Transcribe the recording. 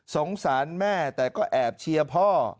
สงสารแม่แต่ก็แอบเชียร์พ่อ